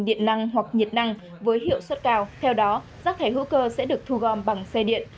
điện năng hoặc nhiệt năng với hiệu suất cao theo đó rác thải hữu cơ sẽ được thu gom bằng xe điện